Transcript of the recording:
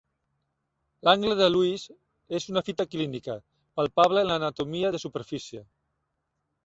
L'angle de Louis és una fita clínica palpable en l'anatomia de superfície.